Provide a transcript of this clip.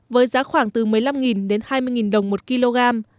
với giá khoảng từ một mươi năm đến hai mươi đồng một kg